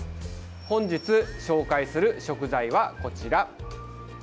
本日紹介する食材は、こちら。